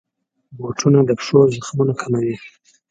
بوټونه د پښو زخمونه کموي.